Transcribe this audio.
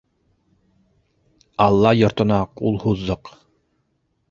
Аллаһ йортона ҡул һуҙҙыҡ!